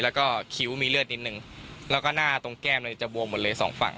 แล้วก็คิ้วมีเลือดนิดนึงแล้วก็หน้าตรงแก้มเลยจะบวมหมดเลยสองฝั่ง